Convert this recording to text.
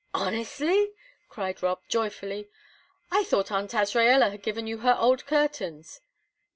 "Honestly?" cried Rob, joyfully. "I thought Aunt Azraella had given you her old curtains."